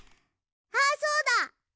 あそうだ！